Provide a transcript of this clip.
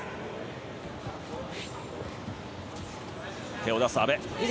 手を出す阿部。